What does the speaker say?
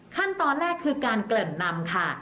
ขั้นตอนแรกคือการเกริ่นนำค่ะ